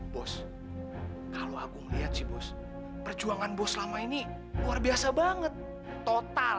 bos kalau aku melihat sih bos perjuangan bos selama ini luar biasa banget total